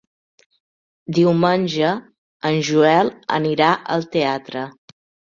Diumenge en Joel anirà al teatre.